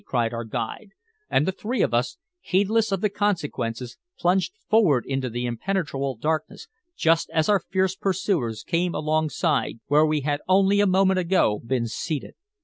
cried our guide, and the three of us, heedless of the consequences, plunged forward into the impenetrable darkness, just as our fierce pursuers came alongside where we had only a moment ago been seated.